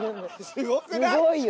すごいよ。